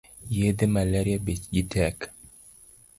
Yedhe malaria bech gi tek